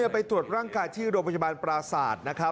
ไปตรวจร่างกายที่โรงพยาบาลปราศาสตร์นะครับ